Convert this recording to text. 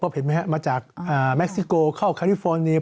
เห็นไหมครับมาจากแม็กซิโกเข้าคาลิฟอร์เนียม